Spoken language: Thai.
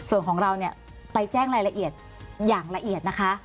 ส่วนของเราเนี่ยไปแจ้งรายละเอียดอย่างละเอียดนะคะ